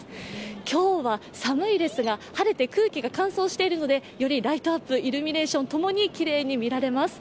今日は寒いですが、晴れて空気が乾燥しているのでよりライトアップ、イルミネーションともにきれいに見られます。